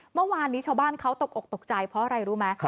เมื่อวานนี้ชาวบ้านเขาตกอกตกใจเพราะอะไรรู้ไหม